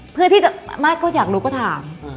เพื่อที่จะมาสก็อยากรู้ก็ถาม